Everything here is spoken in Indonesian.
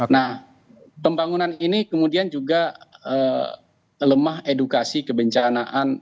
nah pembangunan ini kemudian juga lemah edukasi kebencanaan